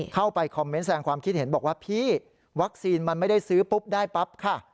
เข้าไปคอมเมนต์แสดงความคิดเห็นบอกว่าพี่วัคซีนมันไม่ได้ซื้อปุ๊บได้ปั๊บค่ะ